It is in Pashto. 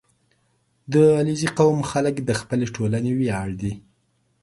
• د علیزي قوم خلک د خپلې ټولنې ویاړ دي.